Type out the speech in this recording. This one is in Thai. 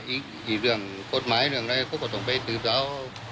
อีกกี่เรื่องกฎหมายเรื่องอะไรเขาก็ต้องไปสืบสาว